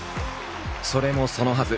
それもそのはず